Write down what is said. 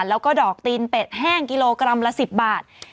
แล้วก็ดอกตีนเป็ดแห้งกิโลกรัมละ๑๐บาท